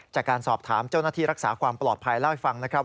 จากการสอบถามเจ้าหน้าที่รักษาความปลอดภัยเล่าให้ฟังนะครับ